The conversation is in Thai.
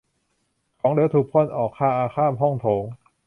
ของเหลวถูกพ่นออกมาข้ามห้องโถง